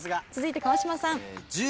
続いて川島さん。